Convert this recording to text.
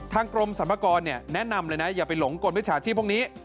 กรมสรรพากรแนะนำเลยนะอย่าไปหลงกลวิชาชีพพวกนี้